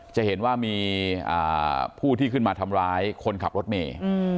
จะเห็นว่ามีผู้ที่ขึ้นมาทำร้ายคนขับรถเมย์